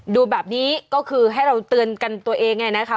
ดูแบบนี้ก็คือให้เราเตือนกันตัวเองนะคะ